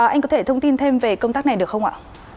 anh có thể thông tin thêm về công tác này được không ạ